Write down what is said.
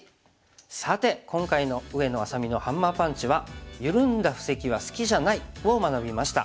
さて今回の上野愛咲美のハンマーパンチは「ゆるんだ布石は好きじゃない」を学びました。